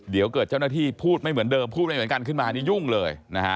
เดี๋ยวเกิดเจ้าหน้าที่พูดไม่เหมือนเดิมพูดไม่เหมือนกันขึ้นมานี่ยุ่งเลยนะฮะ